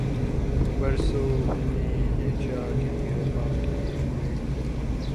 برسوں ہوئے ہیں چاکِ گریباں کئے ہوئے